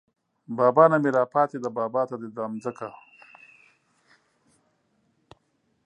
بابا نه مې راپاتې ده بابا ته ده دا ځمکه